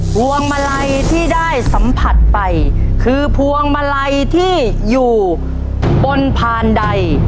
พวงมาลัยที่ได้สัมผัสไปคือพวงมาลัยที่อยู่บนพานใด